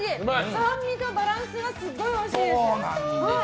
酸味のバランスがすっごいおいしいです。